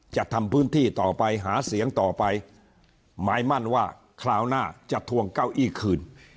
จะทำพื้นที่ต่อไปหาเสียงต่อไปหมายมั่นว่าคราวหน้าจะทวงเก้าอี้คืน